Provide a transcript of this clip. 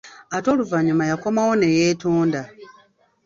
Ate oluvannyuma yakomawo neyeetonda.